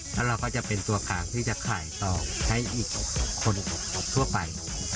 แล้วเราก็จะเป็นตัวกลางที่จะขายต่อให้อีกคนทั่วไป